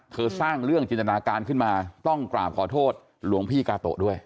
สร้างเรื่องจินตนาการขึ้นมาต้องกราบขอโทษหลวงพี่กาโตะด้วย